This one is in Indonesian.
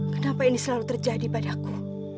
kenapa ini selalu terjadi pada aku